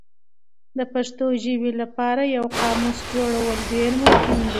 د پښتو ژبې لپاره یو قاموس جوړول ډېر مهم دي.